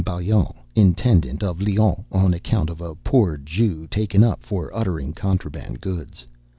B├óillon, Intendant of Lyons, on account of a poor Jew taken up for uttering contraband goods.